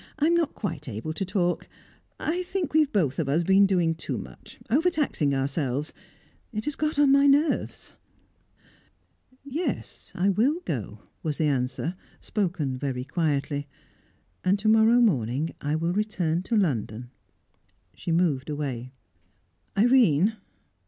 I'm not quite able to talk. I think we've both of us been doing too much overtaxing ourselves. It has got on my nerves." "Yes I will go," was the answer, spoken very quietly. "And to morrow morning I will return to London." She moved away. "Irene!"